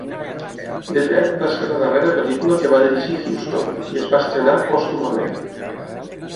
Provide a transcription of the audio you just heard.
"The Dead" va ser la darrera pel·lícula que va dirigir Huston, i es va estrenar pòstumament.